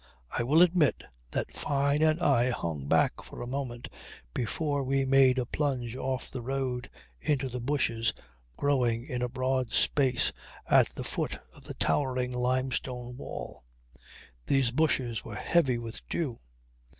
I will admit that Fyne and I hung back for a moment before we made a plunge off the road into the bushes growing in a broad space at the foot of the towering limestone wall. These bushes were heavy with dew.